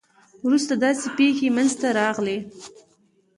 وروسته داسې پېښې منځته راغلې.